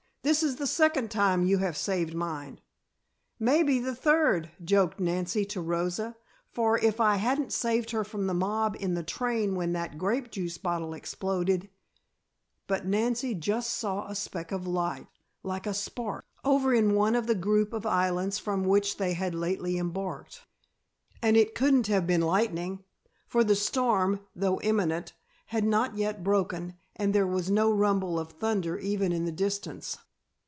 "This is the second time you have saved mine." "Maybe the third," joked Nancy to Rosa, "for if I hadn't saved her from the mob in the train when that grape juice bottle exploded " But Nancy just then saw a speck of light, like a spark, over in one of the group of islands from which they had lately embarked. And it couldn't have been lightning, for the storm, though imminent, had not yet broken and there was no rumble of thunder even in the distance.